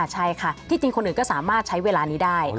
ใช่ค่ะที่จริงคนอื่นก็สามารถใช้เวลานี้ได้